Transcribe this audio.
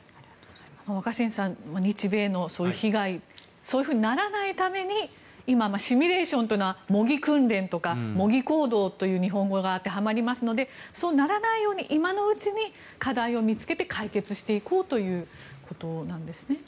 若新さん、日米の被害がそういうふうにならないためにシミュレーションというのは模擬訓練とか模擬行動という日本語が当てはまりますのでそうならないように、今のうちに課題を見つけて解決していこうということなんですね。